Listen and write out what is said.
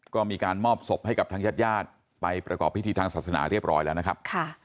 ก็มีการมอบศพให้กับทางญาติญาติไปประกอบพิธีทางศาสนาเรียบร้อยแล้วนะครับ